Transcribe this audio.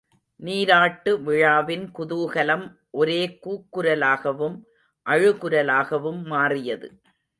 நீராட்டு விழாவின் குதூகலம் ஒரே கூக்குரலாகவும் அழுகுரலாகவும் மாறியது.